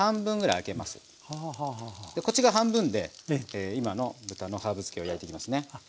こっち側半分で今の豚のハーブ漬けを焼いていきますね。